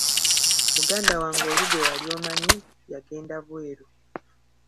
Muganda wange oli gwe wali omanyi yagenda bweru.